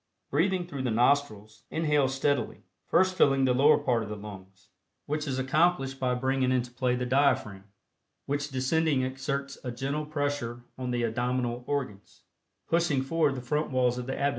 Breathing through the nostrils, inhale steadily, first filling the lower part of the lungs, which is accomplished by bringing into play the diaphragm, which descending exerts a gentle pressure on the abdominal organs, pushing forward the front walls of the abdomen.